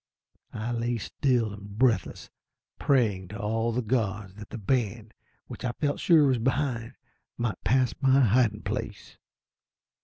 I lay still and breathless, praying to all the gods that the band, which I felt sure was behind, might pass my hiding place.